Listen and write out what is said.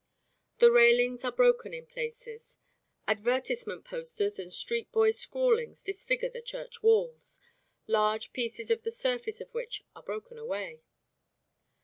The railings are broken in places, advertisement posters and street boy scrawlings disfigure the church walls, large pieces of the surface of which are broken away.